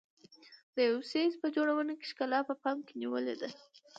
د یو څیز په جوړونه کې ښکلا په پام کې نیولې ده.